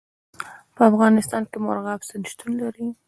په افغانستان کې مورغاب سیند شتون لري.